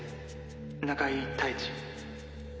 中井太一」